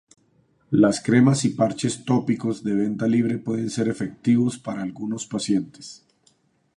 Las cremas y parches tópicos de venta libre pueden ser efectivos para algunos pacientes.